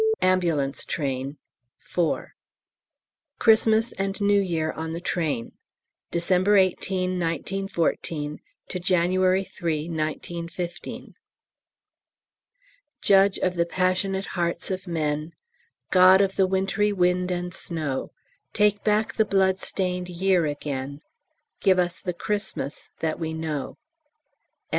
Ambulance Train (4) CHRISTMAS AND NEW YEAR ON THE TRAIN December 18, 1914, to January 3, 1915 "Judge of the passionate hearts of men, God of the wintry wind and snow, Take back the blood stained year again, Give us the Christmas that we know."